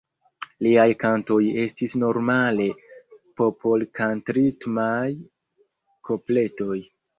Liaj kantoj estis normale popolkantritmaj kopletoj.